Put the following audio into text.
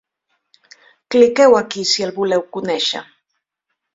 Cliqueu aquí si el voleu conèixer.